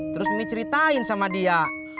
terus mie ceritain sama dia